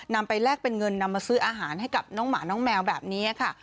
นำไปแลกเป็นเงินนำมาซื้ออาหารให้กับน้องหมาน้องแมวแบบนี้ค่ะ